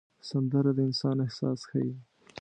سندره د انسان احساس ښيي